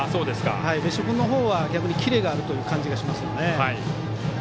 別所君のほうがキレがあるという感じがしますね。